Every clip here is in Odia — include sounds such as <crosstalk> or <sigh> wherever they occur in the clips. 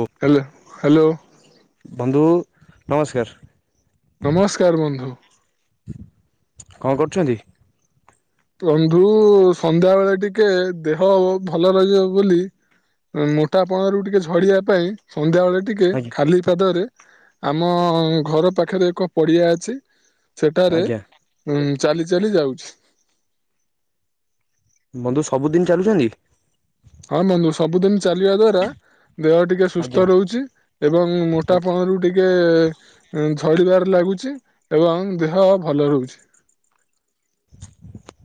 ଓ ହାଲୋ ହ୍ୟାଲୋ। ବନ୍ଧୁ ନମସ୍କାର। ନମସ୍କାର ବନ୍ଧୁ। କଣ କରୁଛନ୍ତି? ବନ୍ଧୁ ସନ୍ଧ୍ୟା ବେଳେ ଟିକେ ଦେହ ଭଲ ରହିବ ବୋଲି ମୋଟା ପଣ ରୁ ଟିକେ ଝଡିବା ପାଇଁ ସନ୍ଧ୍ୟା ବେଳେ ଟିକେ ଆଜ୍ଞା ଖାଲି ପାଦରେ ଆମ ଘର ପାଖରେ ଏକ ପଡିଆ ଅଛି ସେଠାରେ ଆଜ୍ଞା ଉଁ ଚାଲି ଚାଲି ଯାଉଛି। ବନ୍ଧୁ ସବୁଦିନ ଚାଲୁଛନ୍ତି? ହଁ ବନ୍ଧୁ ସବୁଦିନ ଚାଲିବା ଦ୍ଵାରା ଦେହ ଟିକେ ଆଜ୍ଞା ସୁସ୍ଥ ରହୁଛି ଏବଂ ମୋଟା ଆଜ୍ଞା ପଣରୁ ଟିକେ ଉଁ ଝଡ଼ିବାର ଲାଗୁଛି ଏବଂ ଦେହ ଭଲ ରହୁଛି।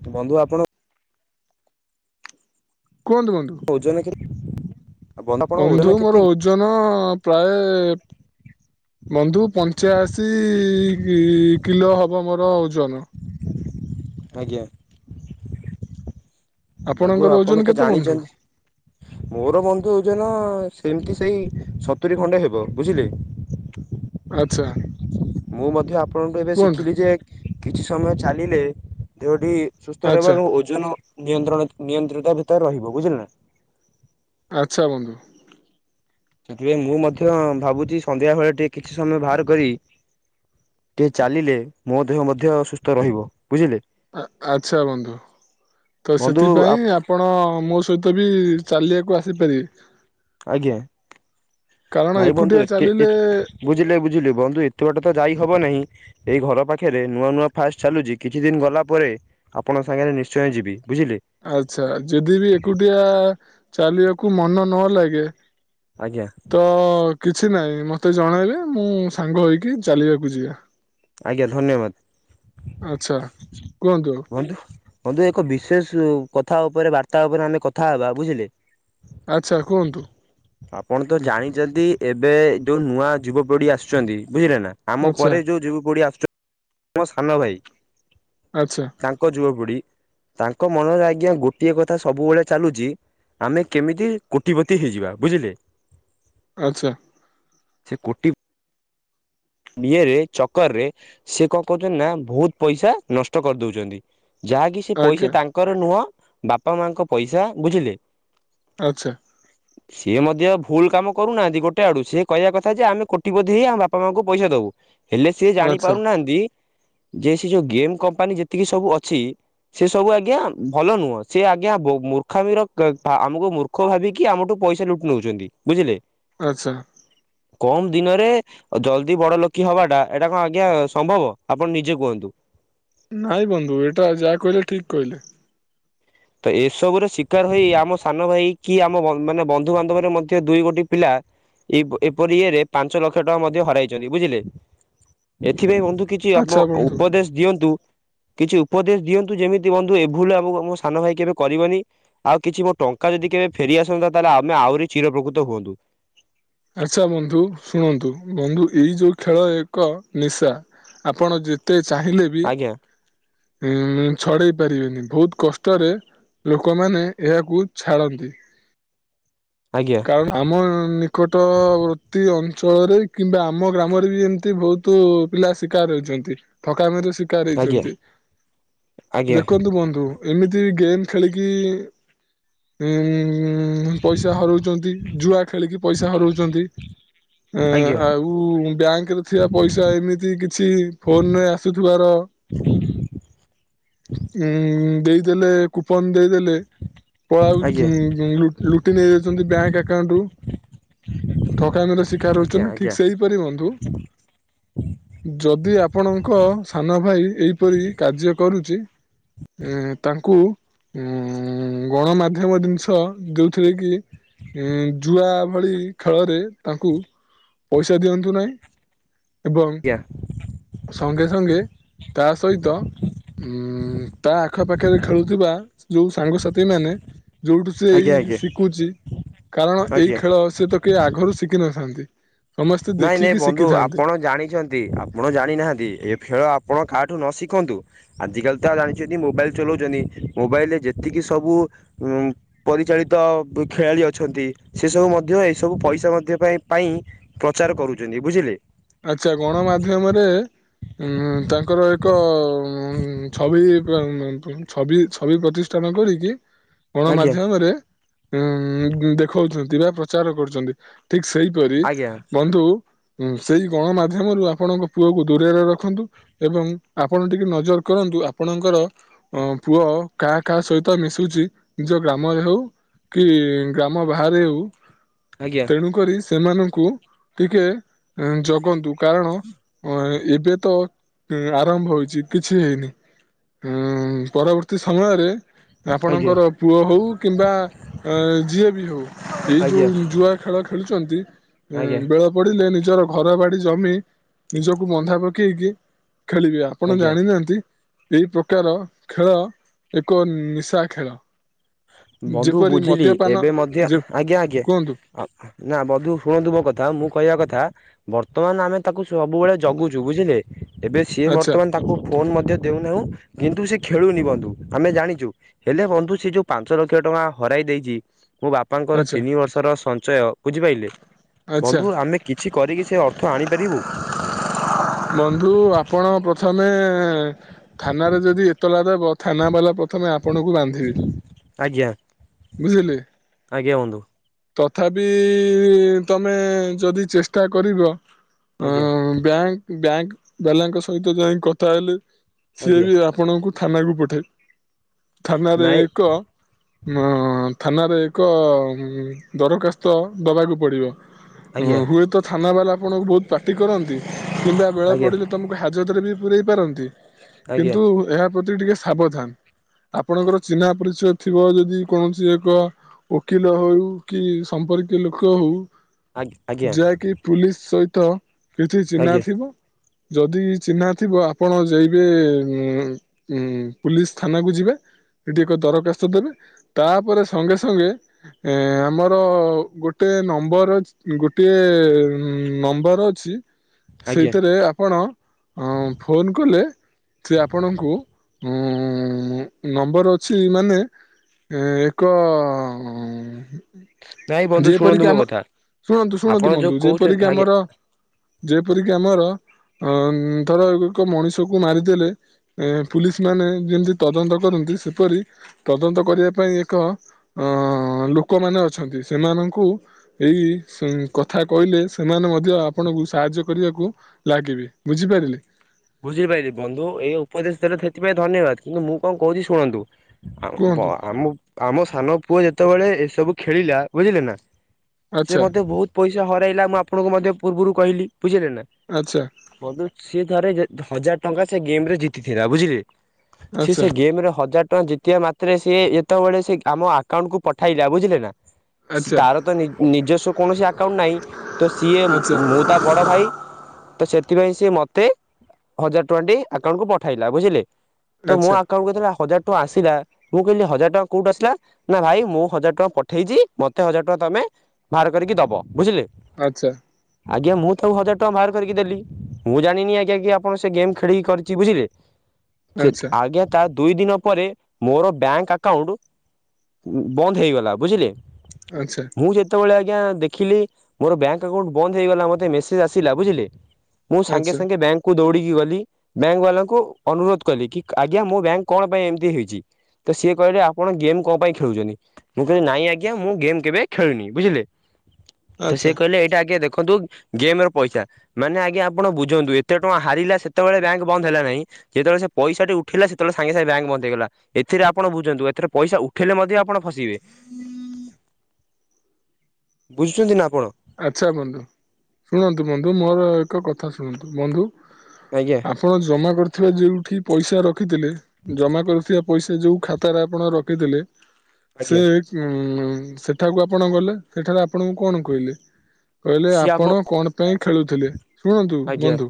<inaudible> ବନ୍ଧୁ ଆପଣ କୁହନ୍ତୁ ବନ୍ଧୁ? ଓଜନ କେତେ ଆପଣଙ୍କ ଓଜନ ବନ୍ଧୁ କେତେ ମୋର କି? ଓଜନ ପ୍ରାୟେ ବନ୍ଧୁ ପଞ୍ଚାଅଶୀ କି କିଲୋ ହବ ମୋର ଓଜନ। ଆଜ୍ଞା। <inaudible> ବନ୍ଧୁ ଆପଣଙ୍କର ଓଜନ ଆପଣ ତ କେତେ ବନ୍ଧୁ? ଜାଣିଛନ୍ତି, ମୋର ବନ୍ଧୁ ଓଜନ ସେମିତି ସେଇ ସତୁରି ଖଣ୍ଡେ ହେବ ବୁଝିଲେ? ଆଚ୍ଛା ମୁଁ ମଧ୍ୟ ଆପଣଙ୍କୁ ଏବେ କୁହନ୍ତୁ ଶିଖିଲି ଯେ କିଛି ସମୟ ଚାଲିଲେ ଦେହ ଟି ସୁସ୍ଥ ଆଚ୍ଛା ରହିବ ଏବଂ ଓଜନ ନିୟନ୍ତ୍ରଣ ନିୟନ୍ତ୍ରତା ଭିତରେ ରହିବ ବୁଝିଲ ନା। ଆଚ୍ଛା ବନ୍ଧୁ। ସେଥିପାଇଁ ମୁଁ ମଧ୍ୟ ଭାବୁଛି ସନ୍ଧ୍ୟା ବେଳେ ଟିକେ କିଛି ସମୟ ବାହାର କରି ଟିକେ ଚାଲିଲେ ମୋ ଦେହ ମଧ୍ୟ ସୁସ୍ଥ ରହିବ। ବୁଝିଲେ ଆ-ଆଚ୍ଛା ବନ୍ଧୁ। ତ ବନ୍ଧୁ ସେଥିପାଇଁ ଆପଣ ମୋ ସହିତ ବି ଚାଲିବାକୁ ଆସିପାରିବେ? ଆଜ୍ଞା <inaudible> କାରଣ ନାଇଁ ଏକୁଟିଆ ବନ୍ଧୁ ଚାଲିଲେ ଏ-ଏତେ ବୁଝିଲେ ଝୁଲିବ ବନ୍ଧୁ ଏତେ ବାଟ ତ ଯାଇ ହବ ନାହିଁ ଏଇ ଘର ପାଖରେ ନୂଆ ନୂଆ ଫାଷ୍ଟ ଚାଲୁଛି କିଛି ଦିନ ଗଲା ପରେ ଆପଣ ସାଙ୍ଗରେ ନିଶ୍ଚୟ ଯିବି। ବୁଝିଲେ ଆଚ୍ଛା ଯଦି ବି ଏକୁଟିଆ ଚାଲିବାକୁ ମନ ନ ଲାଗେ ଆଜ୍ଞା ତ କିଛି ନାହିଁ ମତେ ଜଣାଇବେ ମୁଁ ସାଙ୍ଗ ହେଇକି ଚାଲିବାକୁ ଯିବା। ଆଜ୍ଞା ଧନ୍ୟବାଦ। ଆଚ୍ଛା କୁହନ୍ତୁ? ବନ୍ଧୁ ବନ୍ଧୁ ଏକ ବିଶେଷ କଥା ଉପରେ ବାର୍ତ୍ତା ଉପରେ ଆମେ କଥା ହେବା ବୁଝିଲେ। ଆଚ୍ଛା କୁହନ୍ତୁ? ଆପଣ ତ ଜାଣିଛନ୍ତି ଏବେ ଯୋଉ ନୂଆ ଯୁବପିଢି ଆସୁଛନ୍ତି। ବୁଝିଲେ ନା ଆମ ଆଚ୍ଛା ପରେ ଯୋଉ ଯୁବ ପଢ଼ିଆସୁ ଆ ମୋ ସାନ ଭାଇ ଆଚ୍ଛା ତାଙ୍କ ଯୁବପିଢୀ ତାଙ୍କ ମନରେ ଆଜ୍ଞା ଗୋଟିଏ କଥା ସବୁବେଳେ ଚାଲୁଛି ଆମେ କେମିତି କୋଟିପତି ହେଇଯିବା ବୁଝିଲେ ଆଚ୍ଛା। ସେ କୋଟି ଏରେ ଚକରରେ ସେ କଣ କହୁଛନ୍ତି ନା ବହୁତ ପଇସା ନଷ୍ଟ କରି ଦୋଉଛନ୍ତି। ଯାହାକି ସେ ଆଜ୍ଞା। ପଇସା ତାଙ୍କର ନୁହଁ ବାପା ମାଙ୍କ ପଇସା ବୁଝିଲେ- ଆଚ୍ଛା। ସିଏ ମଧ୍ୟ ଭୁଲ କାମ କରୁନାହାନ୍ତି ଗୋଟେ ଆଡୁ ସିଏ କହିବା କଥା ଯେ ଆମେ କୋଟିପତି ହେଇ ଆମ ବାପା ମାଙ୍କୁ <unintelligible> ପଇସା ଦବୁ ହେଲେ ସିଏ ଜାଣି ଆଚ୍ଛା ପାରୁନାହାନ୍ତି। ଯେ ସେ ଯୋଉ ଗେମ୍ କମ୍ପାନୀ ଯେତିକି ସବୁ ଅଛି। ସେ ସବୁ ଆଜ୍ଞା ଭଲ ନୁହଁ ସେ ଆଜ୍ଞା ମୂର୍ଖାମିର ଆମକୁ ମୂର୍ଖ ଭାବିକି ଆମଠୁ ପଇସା ଲୁଟୁ ନେଉଛନ୍ତି ବୁଝିଲେ । ଆଚ୍ଛା । କମ ଦିନରେ, ଜଲଦି ଯଦି ବଡ ଲୋକୀ ହବାଟା ଏଇଟା କଣ ଆଜ୍ଞା ସମ୍ଭବ, ଆପଣ ନିଜେ କୁହନ୍ତୁ? ନାଇଁ ବନ୍ଧୁ ଏଇଟା ଯାହା କହିଲେ ଠିକ କହିଲେ । ତ ଏସବୁରେ ଶିକାର ହେଇ ଆମ ସାନ ଭାଇ କି ଆମ ମାନେ ବନ୍ଧୁବାନ୍ଧବରେ ମଧ୍ୟ ଦୁଇ ଗୋଟି ପିଲା ଏପରି ଇଏରେ ପାଞ୍ଚ ଲକ୍ଷ ଟଙ୍କା ମଧ୍ୟ ହରାଇଛନ୍ତି, ବୁଝିଲେ ସେଥିପାଇଁ ବନ୍ଧୁ କିଛି ଆପଣ ଆଚ୍ଛା ବନ୍ଧୁ ଉପଦେଶ ଦିଅନ୍ତୁ କିଛି ଉପଦେଶ ଦିଅନ୍ତୁ, ଯେମିତି ବନ୍ଧୁ ଏଭୁଲ ଆ ସାନ ଭାଇ କେବେ କରିବନି, ଆଉ କିଛି ମୋ ଟଙ୍କା ଯଦି କେବେ ଫେରିଆସନ୍ତା ତାହେଲେ ଆମେ ଆହୁରି ଚିର ଉପକୃତ ହୁଅନ୍ତୁ । ହ <inaudible> ଆଚ୍ଛା, ବନ୍ଧୁ ଶୁଣନ୍ତୁ, ବନ୍ଧୁ ଏଇ ଯୋଉ ଖେଳ ଏକ ନିଶା ଆପଣ ଯେତେ ଚାହିଁଲେ ବି ଆଜ୍ଞା ଉ ଛଡେଇ ପାରିବେନି, ବହୁତ କଷ୍ଟରେ ଲୋକମାନେ ଏହାକୁ ଛାଡ଼ନ୍ତି । <inaudible> କାରଣ, ଆମର ନିକଟବର୍ତ୍ତୀ ଅଞ୍ଚଳରେ କିମ୍ବା ଆମ ଗ୍ରାମରେ ବି ଏମିତି ବହୁତ ପିଲା ଶିକାର ହେଉଛନ୍ତି ଠକାମି ଶିକାର ଆଜ୍ଞା ହେଇଛନ୍ତି, ଆଜ୍ଞା ଦେଖନ୍ତୁ ବନ୍ଧୁ ଏମିତି ଗେମ୍ ଖେଳିକି, ଉ ପଇସା ହାରୁ ଜୁଆ ଖେଳିକି ପଇସା ହରଉଛନ୍ତି । ଏଁ ଆଜ୍ଞା ଆଉ ବ୍ୟାଙ୍କରେ ଥିବା ପଇସା ଏମିତି କିଛି ଫୋନରେ ଆସୁଥିବାର <unintelligible> ହୁଁ ଦେଇ ଦେଲେ, କୁପନ ଦେଇଦେଲେ, ପଳା ଆଜ୍ଞା ଲୁଟି ନେଇ ବେଙ୍କ ଆଉଣ୍ଟ ରୁ ଠକାମିର ଶିକାର ଆଜ୍ଞା ହଉଛନ୍ତି, ଠିକ ଆଜ୍ଞା। ଆଜ୍ଞା ସେଇପରି ବନ୍ଧୁ ଯଦି ଆପଣଙ୍କ ସାନ ଭାଇ ଏହିପରି କାର୍ଯ୍ୟ କରୁଛି ଏ ତାଙ୍କୁ ଉଁ ଗଣମାଧ୍ୟମ ଜିନିଷ ଦଉଥିରେ କି ଯୁଆ ଭଳି ଖେଳରେ ତାଙ୍କୁ ପଇସା ଦିଅନ୍ତୁ ନାହିଁ ଏବଂ ସଙ୍ଗେ ସଙ୍ଗେ ତା ସହିତ ଉଁ ତା ଆଖପାଖରେ ଖେଳୁଥିବା ଯୋଉ ସାଙ୍ଗସାଥି ମାନେ ଯୋଉଠୁ ସେ ଏଇ ଆଜ୍ଞା ଆଜ୍ଞା ଶିଖୁଛି କାରଣ, ଏଇ ଆଜ୍ଞା ଖେଳ ସେ ତ କେହି ଆଗରୁ ଶିଖିନଥାନ୍ତି ସମସ୍ତେ ନାଇଁ ନାଇଁ ଦେଖିକି ବନ୍ଧୁ ଶିଖିଥାନ୍ତି ଆପଣ ଜାଣିଛନ୍ତି, ଆପଣ ଜାଣିନାହାନ୍ତି ଏ ଖେଳ ଆପଣ କାହାଠୁ ନ ଶିଖନ୍ତୁ ଆଜିକାଲି ତ ଜାଣିଛନ୍ତି, ମୋବାଇଲ ଚଲାଉଛନ୍ତି, ମୋବାଇଲରେ ଯେତିକି ସବୁ ଉଁ ପରିଚାଳିତ ଖେଳାଳି ଅଛନ୍ତି, ସେ ସବୁ ମଧ୍ୟ ଏସବୁ ପଇସା ମଧ୍ୟ ପାଇ ପାଇଁ ପ୍ରଚାର କରୁଛନ୍ତି ବୁଝିଲେ ଆଚ୍ଛା, ଗଣମାଧ୍ୟମରେ ଉଁ ତାଙ୍କର ଏକ ଉଁ ଛବି, ଛବି, ଛବି ପ୍ରତିଷ୍ଠାନ କରିକି ଆଜ୍ଞା ଗଣମାଧ୍ୟମରେ ଉଁ ଦେଖଉଛନ୍ତି ବା ପ୍ରଚାର କରୁଛନ୍ତି, ଠିକ୍ ସେଇପରି, ଆଜ୍ଞା ବନ୍ଧୁ ସେଇ ଗଣମାଧ୍ୟମରୁ ଆପଣଙ୍କ ପୁଅକୁ ଦୂରରେ ରଖନ୍ତୁ ଏବଂ ଆପଣ ଟିକେ ନଜର କରନ୍ତୁ ଆପ ଆପଣଙ୍କର ଅ ପୁଅ କାହା କାହା ସହିତ ମିଶୁଛି, ନିଜ ଗ୍ରାମରେ ହଉ କି ଗ୍ରାମ ବାହାରେ ହଉ ଆଜ୍ଞା ତେଣୁ କରି ସେମାନଙ୍କୁ ଟିକେ ଜଗନ୍ତୁ, କାରଣ ହଁ ଏବେ ତ ଆରମ୍ଭ ହୋଇଛି, କିଛି ହେଇନି । ହୁଁ, ପରବର୍ତ୍ତୀ ସମୟରେ ଆଜ୍ଞା ଆପଣଙ୍କର ପୁଅ ହଉ କିମ୍ବା ଏଁ କିମ୍ବା ଯିଏବି ହଉ, ଏଇ ଆଜ୍ଞା ଯୋଉ ଯୁଆ ଖେଳ ଖେଳୁ ଛନ୍ତି ଆଜ୍ଞା ବେଳ ପଡିଲେ ନିଜ ଘର ବାଡି ଜମି ନିଜକୁ ବନ୍ଧା ପକେଇକି ଖେଳିବେ ଆପଣ ଆଜ୍ଞା ଜାଣିନାହାନ୍ତି। ଏଇ ପ୍ରକାର ଖେଳ ଏକ ନିଶା ଖେଳ। ବନ୍ଧୁ ଯେପରି ବୁଝିଲି ମଦ୍ୟପାନ ଏବେ ମଧ୍ୟ ଯେ ଆଜ୍ଞା ଆଜ୍ଞା। କୁହନ୍ତୁ ନା ବନ୍ଧୁ ଶୁଣନ୍ତୁ ମୋ କଥା ମୁଁ କହିବା କଥା ବର୍ତ୍ତମାନ ଆମେ ତାକୁ ସବୁବେଳେ ଜଗୁଛୁ ବୁଝିଲେ ଏବେ ସିଏ ଆଚ୍ଛା ବର୍ତ୍ତମାନ ତା ଫୋନ ମଧ୍ୟ ଦେଉନାହୁଁ କିନ୍ତୁ ସେ ଖେଳୁନି ବନ୍ଧୁ ଆମେ ଜାଣିଛୁ ହେଲେ ବନ୍ଧୁ ସେ ଯୋଉ ପାଞ୍ଚ ଲକ୍ଷ ଟଙ୍କା ହରାଇ ଦେଇଛି ମୋ ବାପାଙ୍କର ଆଚ୍ଛା ତିନି ବର୍ଷର ସଞ୍ଚୟ ବୁଝିପାରିଲେ। ଆଚ୍ଛା ବନ୍ଧୁ ଆମେ କିଛି କରିକି ସେ ଅର୍ଥ ଆଣିପାରିବୁ। ବନ୍ଧୁ ଆପଣ ପ୍ରଥମେ ଥାନାରେ ଯଦି ଏତଲା ଦେବ ଥାନା ବାଲା ପ୍ରଥମେ ଆପଣଙ୍କୁ ବାନ୍ଧିବେ। ଆଜ୍ଞା ବୁଝିଲେ। ଆଜ୍ଞା ବନ୍ଧୁ। ତଥାପି ତମେ ଯଦି ଚେଷ୍ଟା କରିବ ଆଜ୍ଞା ଆଁ ବ୍ୟାଙ୍କ ବ୍ୟାଙ୍କ ବାଲାଙ୍କ ସହିତ ଯାଇ କଥା ହେଲେ ସିଏ ଆଜ୍ଞା ବି ଆପଣଙ୍କୁ ଥାନାକୁ ପଠେଇ ଥାନାରେ ନାଇଁ ଏକ ଥାନାରେ ଏକ ଦରଖାସ୍ତ ଦେବାକୁ ପଡ଼ିବ। ଆଜ୍ଞା ହୁଏତ ଥାନା ବାଲା ଆପଣଙ୍କୁ ବହୁତ ପାଟି କରନ୍ତି କିମ୍ବା ବେଳ ଆଜ୍ଞା। ପଡିଲେ ତମକୁ ହା ଜତରେ ବି ପୁରଇ ପାରନ୍ତି ଆଜ୍ଞା କିନ୍ତୁ ଏହା ପ୍ରତି ଟିକେ ସାବଧାନ ଆପଣଙ୍କର ଚିହ୍ନା ପରିଚୟ ଥିବ ଯଦି କୌଣସି ଏକ ଓକିଲ ହଉ କି ସମ୍ପର୍କୀୟ ଲୋକ ହଉ ଆଜ୍ଞା ଆଜ୍ଞା ଯାହାକି ପୁଲିସ ସହିତ କିଛି ଚିହ୍ନା ଆଜ୍ଞା ଥିବ। ଯଦି ଚିହ୍ନା ଥିବ ଆପଣ ଯାଇବେ ଉ ଉ ପୁଲିସ ଥାନାକୁ ଯିବେ। ଏ ଟିକେ କ ଦରଖାସ୍ତ ଦେବେ । ତା ପରେ ସଙ୍ଗେ ସଙ୍ଗେ ଆମର ଗୋଟଏ ନମ୍ବର ଗୋଟିଏ ନମ୍ବର ଅଛି ଆଜ୍ଞା ସେଇଥିରେ ଆପଣ ଅ ଫୋନ କଲେ ସେ ଆପଣଙ୍କୁ ହଁ ନମ୍ବର ଅଛି ମାନେ ଏ ଏକ ନାଇଁ ବନ୍ଧୁ ଶୁଣନ୍ତୁ ଯେପରିକି ମୋ ଆମ କଥା ଶୁଣନ୍ତୁ ଶୁଣନ୍ତୁ ଆପଣ ବନ୍ଧୁ ଯୋଉ କହୁଛନ୍ତି ଯେପରିକି ଆଜ୍ଞା ଆମର ଯେପରିକି ଆମର ଅ ଧର ଏକ ମଣିଷ କ ମାରିଦେଲେ ଏ ପୁଲିସ ମାନେ ଯେମିତି ତଦନ୍ତ କରନ୍ତି ସେପରି ତଦନ୍ତ କରିବା ପାଇଁ ଏକ ଲୋକମାନେ ଅଛନ୍ତି ସେମାନଙ୍କୁ ଏଇ କଥା କଥା କହିଲେ ସେମାନେ ମଧ୍ୟ ଆପଣଙ୍କୁ ସାହାଯ୍ୟ କରିବାକୁ ଲାଗିବେ ବୁଝିପାରିଲେ। ବୁଝିପାରିଲି ବନ୍ଧୁ ଏ ଉପଦେଶ ଦେଲେ ସେଥିପାଇଁ ଧନ୍ୟବାଦ କିନ୍ତୁ ମୁଁ କଣ କହୁଛି ଶୁଣନ୍ତୁ କୁହନ୍ତୁ ଆମ ଆମ ସାନ ପୁଅ ଯେତେବେଳେ ଏସବୁ ଖେଳିଲା ବୁଝିଲେ ନା ସେ ଆଚ୍ଛା ମତେ ବହୁତ ପଇସା ହରାଇଲା ମୁଁ ଆପଣଙ୍କୁ ମଧ୍ୟ ପୂର୍ବରୁ କହିଲି। ବୁଝିଲେ ନା ଆଚ୍ଛା ବନ୍ଧୁ ସିଏ ଥରେ ହଜାର ଟଙ୍କା ସେ ଗେମ ରେ ଜିତିଥିଲା ବୁଝିଲେ। ସି ଆଚ୍ଛା ସେ ଗେମ ରେ ହଜାର ଟଙ୍କା ଜିତିବା ମ ରେ ସେ ଯେତେବେଳେ ସେ ଆମ ଆକାଉଣ୍ଟକୁୁ ପଠେଇଲା ବୁଝିଲେ ନା ତାର ତ ନିଜସ୍ୱ କୌଣସି ଆକାଉଣ୍ଟ ନାହିଁ ତ ସିଏ ଆଚ୍ଛା ମୁଁ ତା ବଡ଼ ଭାଇ ତ ସେଥିପାଇଁ ସେ ମତେ ହଜାର ଟଙ୍କା ଟ ଆକାଉଣ୍ଟକୁୁ ପଠେଇଲା ବୁଝିଲେ। ତ ମୋ ଆଚ୍ଛା ଆକାଉଣ୍ଟକୁ ଯେତେବେଳେ ହଜାର ଟଙ୍କା ଆସିଲା ମୁଁ କହିଲି ହଜାର ଟଙ୍କା କୋଉଠି ଆସିଲା ନା ଭାଇ ମୁଁ ହଜାର ଟଙ୍କା ପଠେଇଛିି ମତେ ହଜାର ଟଙ୍କା ତମେ ବାହାର କରି ଦବ ବୁଝିଲେ। ଆଚ୍ଛା। ଆଜ୍ଞାଁ ସବୁ ହଜାର ଟଙ୍କା ବାହାର କରିକି ଦେଲି ମୁଁ ଜଣିନି ଆ ଆପଣ ସେ ଗେମ୍ ଖେଳିକି କରି ବୁଝିଲେ ଆଚ୍ଛା ଆଚ୍ଛା ଆଜ୍ଞା ତା ଦୁଇ ଦିନ ପରେ ମୋର ବ୍ୟାଙ୍କ ଆକାଉଣ୍ଟ ବନ୍ଦ ହେଇଗଲା ବୁଝିଲେ। ଆଚ୍ଛା ମୁଁ ସେତେବେଳେ ଆ ଆଜ୍ଞା ଦେଖିଲି ମୋର ବ୍ୟାଙ୍କ୍ ଆକାଉଣ୍ଟ୍ ବନ୍ଦ ହେଇଗଲା, ମତେ ମେସେଜ ଆସିଲା ବୁଝିଲେ ମୁଁ ସାଙ୍ଗେ ସାଙ୍ଗେ ବ୍ୟାଙ୍କ ଦୌଡିକି ଗଲି। ବ୍ୟାଙ୍କ ବାଲାଙ୍କୁ ଅନୁରୋଧ କଲି, କି ଆଜ୍ଞା ମୋ ବ୍ୟାଙ୍କ କଣ ପାଇଁ ଏମତି ହେଇଛି? ତ ସିଏ କହିଲେ ଆପଣ ଗେମ୍ କଣ ପାଇଁ ଖେଳୁଛନ୍ତି। ମୁଁ କହିଲି ନାଇଁ ଆଜ୍ଞା ମୁଁ ଗେମ୍ କେବେ ଖେଳୁନି ବୁଝିଲେ। ତ ସେ ଆଚ୍ଛା କହିଲେ ଏଇଟା ଆଜ୍ଞା ଦେଖନ୍ତୁ ଗେମ ର ପଇସା। ମାନେ ଆଜ୍ଞା ଆପଣ ବୁଝନ୍ତୁ ଏ କେତେ ଟଙ୍କା ହାରିଲା ସେତେବେଳେ ବ୍ୟାଙ୍କ ବନ୍ଦ ହେଲା ନାହିଁ, ଯେତେବେଳେ ସେ ପଇସାଟି ଉଠିଲା ସେତେବେଳେ ସାଙ୍ଗେ ସାଙ୍ଗେ ବ୍ୟାଙ୍କ ବନ୍ଦ ହେଇଗଲା। ସେଥିରେ ଆପଣ ବୁଝନ୍ତୁ ଏଥିରେ ପଇସା ଉଠେଇଲେ ମଧ୍ୟ ଆପଣ ଫସିବେ। ବୁଝୁଛନ୍ତି ନା ଆପଣ ଆଚ୍ଛା ବନ୍ଧୁ। ଶୁଣନ୍ତୁ ବନ୍ଧୁ ମୋର ଏକ କଥା ଶୁଣନ୍ତୁ। ବନ୍ଧୁ ଆଜ୍ଞା ଆପଣ ଜମା କରିଥିବା ଯେଉଁଠି ପଇସା ରଖିଥିଲେ, ଜମା କରିଥିବା ପଇସା ଯୋଉ ଖାତାରେ ଆପଣ ରଖିଥିଲେ, ସେ ଆଜ୍ଞା ଉମ୍ ହୁଁ ସେଠାକୁ ଆପଣ ଗଲେ, ସେଠାରେ ଆପଣଙ୍କୁ କଣ କହିଲେ? କହିଲେ ଆପଣ କଣ ପାଇଁ ଖେଳୁଥିଲେ? ଶୁଣନ୍ତୁ ଆଜ୍ଞା ବନ୍ଧୁ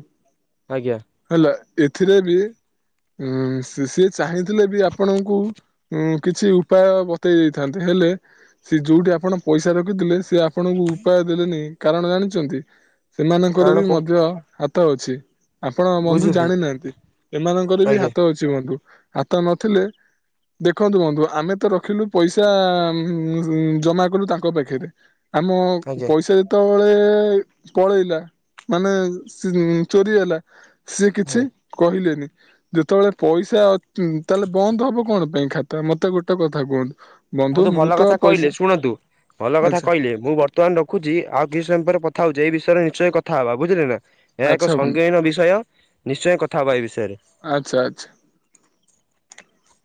ଆଜ୍ଞା ହେଲା ଏଥିରେ ବି ଉଁ ସି-ସିଏ ଚାହିଁଥିଲେ ବି ଆପଣଙ୍କୁ ଉଁ କିଛି ଉପାୟ ବତେଇ ଦେଇଥାନ୍ତେ ହେଲ ହେଲେ, ସେ ଯୋଉଠି ଆପଣ ପଇସା ରଖିଥିଲେ ସେ ଆପଣଙ୍କୁ ଉପାୟ ଦେଲେନି କାରଣ ଜାଣିଚନ୍ତି, ସେମାନଙ୍କର କାରଣ ବି କ ମଧ୍ୟ ହାତ ଅଛି। ଆପଣ ବନ୍ଧୁ ବୁଝିଲି ଜାଣିନାହାଁନ୍ତି, ଏମାନଙ୍କର ବି ଆଜ୍ଞା ହାତ ଅଛି ବନ୍ଧୁ। ହାତ ନଥିଲେ ଦେଖନ୍ତୁ ବନ୍ଧୁ ଆମେ ତ ରଖିଲୁ ପଇସା ଉମ୍ ଜମା କଲୁ ତାଙ୍କ ପାଖରେ, ଆମ ଆଜ୍ଞା ପଇସା ଯେତେବେଳେ ପଳେଇଲା, ମାନେ ଚୋରି ହେଲା ସିଏ କିଛି ଆଜ୍ଞା କହିଲେନି। ଯେତେବେଳେ ପଇସା ଅ ତାହେଲେ ବନ୍ଦ ହବ କଣ ପାଇଁ ଖାତା ମତେ ଗୋଟେ କଥା କୁହନ୍ତୁ? ବନ୍ଧୁ ମତେ ମୁଁ ଭଲ ତ କଥା ପଇସା କହିଲେ ଶୁଣନ୍ତୁ। ଭଲ କଥା ଆଚ୍ଛା କହିଲେ ମୁଁ ବର୍ତ୍ତମାନ ର ରଖୁଛି, ଆଉ କିଛି ସମୟ ପରେ କଥା ହଉଛି ଏଇ ବିଷୟରେ ନିଶ୍ଚୟ କଥା ହବା ବୁଝିଲେ ନା। ଏହା ଏକ ଆଚ୍ଛା ବନ୍ଧୁ ସଂଜ୍ଞାହୀନ ବିଷୟ ନିଶ୍ଚୟ କଥା ହବା ଏଇ ବିଷୟରେ। ଆଚ୍ଛା ଆଚ୍ଛା <unintelligible>